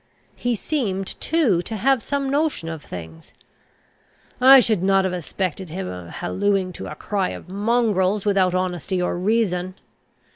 He seemed, too, to have some notion of things: I should not have suspected him of hallooing to a cry of mongrels without honesty or reason.